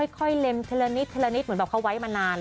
เล็มทีละนิดทีละนิดเหมือนแบบเขาไว้มานาน